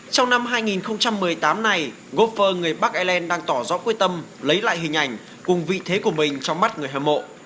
trong năm hai nghìn một mươi tám này gofer người bắc ireland đang tỏ rõ quyết tâm lấy lại hình ảnh cùng vị thế của mình trong mắt người hâm mộ